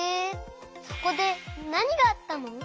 そこでなにがあったの？